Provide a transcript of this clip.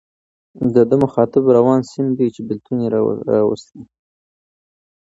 د ده مخاطب روان سیند دی چې بېلتون یې راوستی.